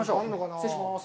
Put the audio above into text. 失礼します。